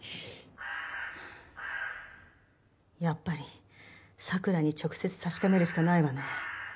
やっぱり桜に直接確かめるしかないわね。